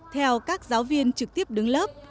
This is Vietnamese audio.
theo các giáo viên trực tiếp đứng lớp